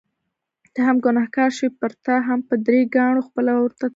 ته هم ګنهګار شوې، پرتا هم په درې کاڼو خپله عورته طلاقه شوه.